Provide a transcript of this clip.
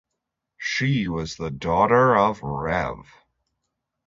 She was the daughter of Rev.